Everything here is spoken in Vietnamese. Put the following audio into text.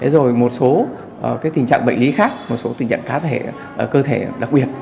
rồi một số tình trạng bệnh lý khác một số tình trạng cá thể cơ thể đặc biệt